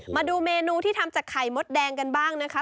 มาดูเมนูที่ทำจากไข่มดแดงกันบ้างนะคะ